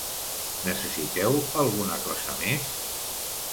Necessiteu alguna cosa més?